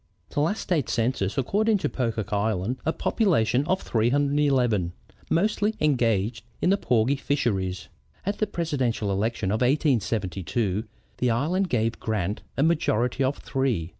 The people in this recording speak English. The last state census accords to Pocock Island a population of 311, mostly engaged in the porgy fisheries. At the Presidential election of 1872 the island gave Grant a majority of three.